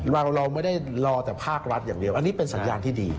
เราไม่ได้รอแต่ภาครัฐอย่างเดียวอันนี้เป็นสัญญาณที่ดี